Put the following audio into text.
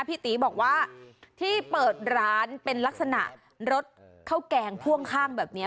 พี่ตีบอกว่าที่เปิดร้านเป็นลักษณะรสข้าวแกงพ่วงข้างแบบนี้